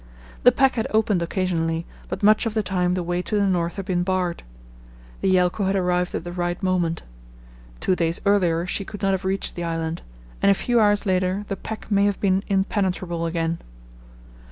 The pack had opened occasionally, but much of the time the way to the north had been barred. The Yelcho had arrived at the right moment. Two days earlier she could not have reached the island, and a few hours later the pack may have been impenetrable again.